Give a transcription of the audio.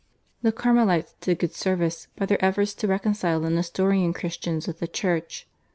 The Carmelites did good service by their efforts to reconcile the Nestorian Christians with the Church.